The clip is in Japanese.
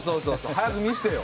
早く見してよ。